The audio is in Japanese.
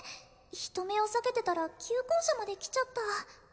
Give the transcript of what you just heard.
人目を避けてたら旧校舎まで来ちゃった